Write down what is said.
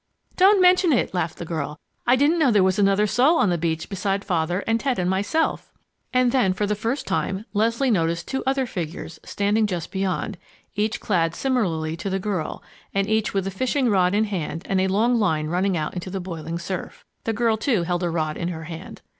"Don't mention it!" laughed the girl. "I didn't know there was another soul on the beach beside Father and Ted and myself." And then, for the first time, Leslie noticed two other figures standing just beyond, each clad similarly to the girl, and each with fishing rod in hand and a long line running out into the boiling surf. The girl too held a rod in her hand.